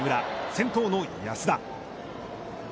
先頭の安田。